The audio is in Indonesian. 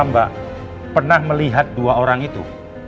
mbak pernah melihat dua orang itu